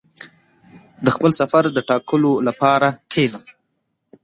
• د خپل سفر د ټاکلو لپاره کښېنه.